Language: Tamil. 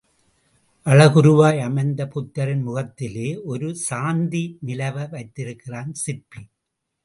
அழகுருவாய் அமைந்த புத்தரின் முகத்திலே ஒரு சாந்தி நிலவ வைத்திருக்கிறான் சிற்பி.